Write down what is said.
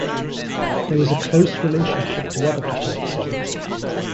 There is a close relationship to other Platonic solids.